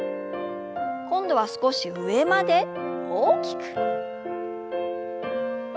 今度は少し上まで大きく。